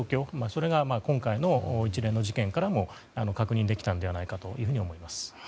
それが今回の一連の事件からも確認ができたのではないかと思います。